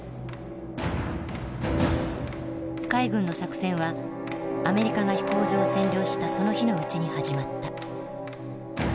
海軍の作戦はアメリカが飛行場を占領したその日のうちに始まった。